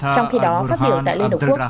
trong khi đó phát biểu tại liên hợp quốc